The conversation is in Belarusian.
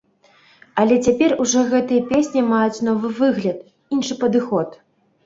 Але цяпер ужо гэтыя песні маюць новы выгляд, іншы падыход.